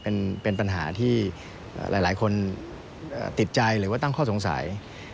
เป็นปัญหาที่หลายคนติดใจหรือว่าตั้งข้อสงสัย